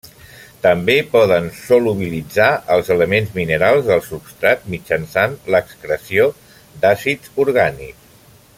També poden solubilitzar els elements minerals del substrat mitjançant l'excreció d'àcids orgànics.